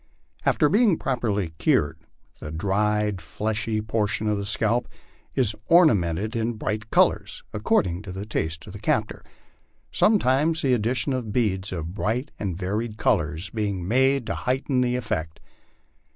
After being properly cured, the dried fleshy portion of the scalp is or namented in bright colors, according to the taste of the captor, sometimes the addition of beads of bright and varied colors being made to heighten the effect.